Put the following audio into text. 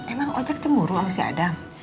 emang ojak cemuru sama si adam